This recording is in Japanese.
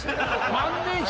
万年筆！？